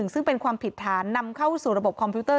ซึ่งเป็นความผิดฐานนำเข้าสู่ระบบคอมพิวเตอร์